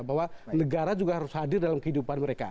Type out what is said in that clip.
bahwa negara juga harus hadir dalam kehidupan mereka